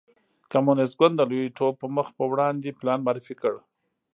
کمونېست ګوند د لوی ټوپ مخ په وړاندې پلان معرفي کړ.